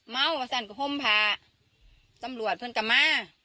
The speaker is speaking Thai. เมาเป็นแขนของฮอมพาตำรวจเฉินตะมะ